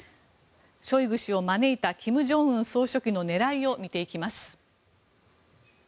ショイグ氏を招いた金正恩総書記の狙いを見ていきます。